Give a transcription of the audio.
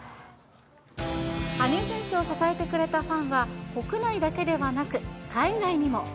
羽生選手を支えてくれたファンは、国内だけではなく、海外にも。